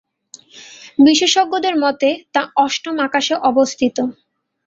বিশেষজ্ঞদের মতে তা অষ্টম আকাশে অবস্থিত।